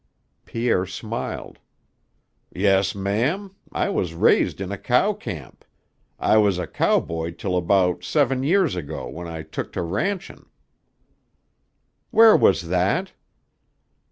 Pierre smiled. "Yes, ma'am. I was raised in a cow camp. I was a cowboy till about seven years ago when I took to ranchin'." "Where was that?"